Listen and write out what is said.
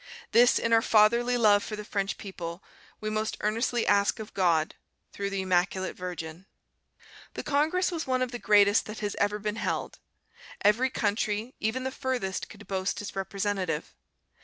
This, in our fatherly love for the French people, we most earnestly ask of God through the Immaculate Virgin." The congress was one of the greatest that has ever been held. Every country, even the furthest, could boast its representative.